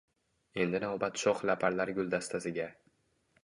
Endi navbat sho’x laparlar guldastasiga